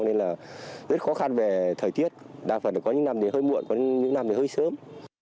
nên là rất khó khăn về thời tiết đa phần là có những năm thì hơi muộn những năm thì hơi sớm